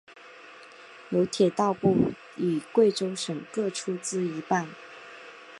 由铁道部与贵州省各出资一半。